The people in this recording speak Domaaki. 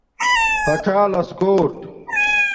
پھڅالَس کوُٹ